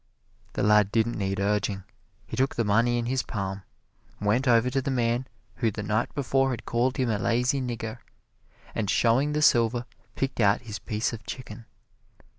The lad didn't need urging. He took the money in his palm, went over to the man who the night before had called him a lazy nigger, and showing the silver, picked out his piece of chicken.